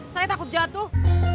saya takut jatuh